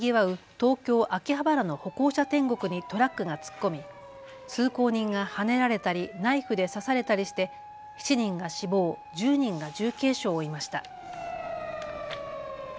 東京秋葉原の歩行者天国にトラックが突っ込み通行人がはねられたりナイフで刺されたりして７人が死亡、１０人が重軽傷を負いました。